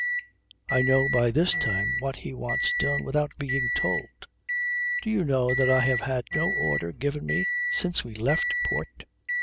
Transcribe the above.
I know by this time what he wants done without being told. Do you know that I have had no order given me since we left port?